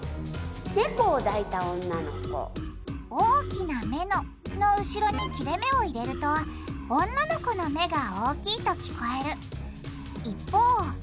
「大きな目の」の後ろに切れめを入れると女の子の目が大きいと聞こえる。